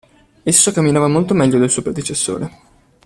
Esso camminava molto meglio del suo predecessore.